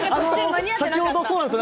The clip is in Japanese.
先ほどそうなんです